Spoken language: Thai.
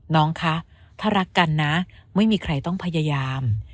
น้องคะถ้ารักกันนะไม่มีใครต้องพยายาม